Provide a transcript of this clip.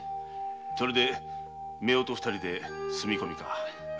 それで夫婦二人で住み込みか。